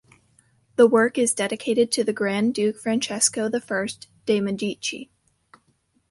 The work is dedicated to the Grand Duke Francesco I de' Medici.